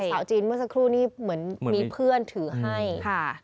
สาวจีนเมื่อสักครู่นี้เหมือนมีเพื่อนถือให้ค่ะ